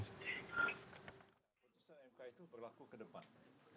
keputusan mk itu berlaku ke depan